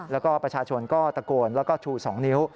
แล้วก็ประชาชนก็ตะโกนแล้วก็ชู๒นิ้ว